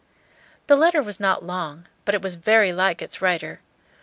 The letter was not long, but it was very like its writer.